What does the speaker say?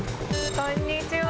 こんにちは。